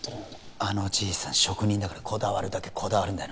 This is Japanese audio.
あのじいさん職人だからこだわるだけこだわるんだよな